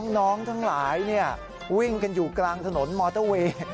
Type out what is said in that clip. ทั้งหลายวิ่งกันอยู่กลางถนนมอเตอร์เวย์